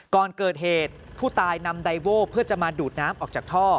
ก่อนเกิดเหตุผู้ตายนำไดโว้เพื่อจะมาดูดน้ำออกจากท่อ